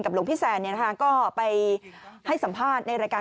กับหลงพี่แซมเนี่ยนะคะก็ไปให้สัมภาษณ์ในรายการ